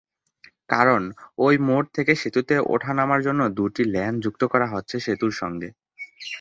কারণ, ওই মোড় থেকে সেতুতে ওঠা-নামর জন্য দু’টি লেন যুক্ত করা হচ্ছে সেতুর সঙ্গে।